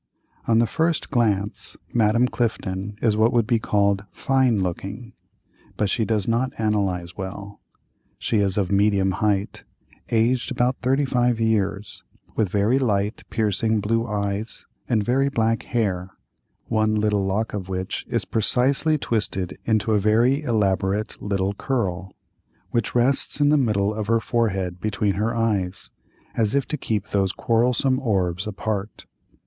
On the first glance, Madame Clifton is what would be called "fine looking," but she does not analyse well. She is of medium height, aged about thirty five years, with very light, piercing blue eyes, and very black hair, one little lock of which is precisely twisted into a very elaborate little curl, which rests in the middle of her forehead between her eyes, as if to keep those quarrelsome orbs apart.